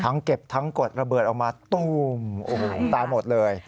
ทั้งเก็บทั้งกดระเบิดออกมาตูมตาหมดเลย